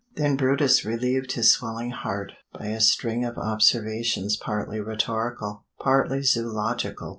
Then brutus relieved his swelling heart by a string of observations partly rhetorical, partly zoological.